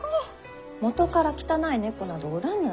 元から汚い猫などおらぬ。